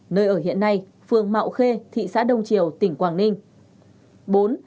nơi ở hiện nay phường mạo khê thị xã đông triều tp hcm